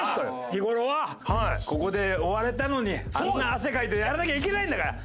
日頃はここで終われたのにあんな汗かいてやらなきゃいけないんだから。